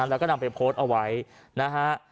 แล้วก็นำไปโพสต์เอาไว้นะฮะ